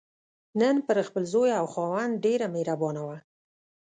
نن پر خپل زوی او خاوند ډېره مهربانه وه.